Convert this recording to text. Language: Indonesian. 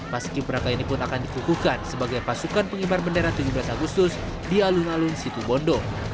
pas kiberaka ini pun akan dipukulkan sebagai pasukan pengibar bendera tujuh belas agustus di alun alun situ bondo